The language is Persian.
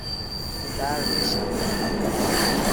برنشست